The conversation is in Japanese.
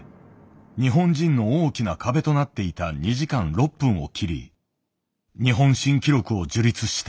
日本人の大きな壁となっていた２時間６分を切り日本新記録を樹立した。